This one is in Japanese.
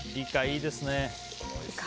いいですね。